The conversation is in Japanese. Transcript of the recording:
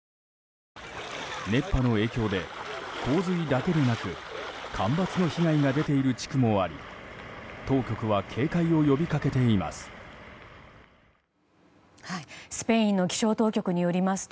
熱波の影響で、洪水だけでなく干ばつの被害が出ている地区もあり当局は警戒を呼びかけています。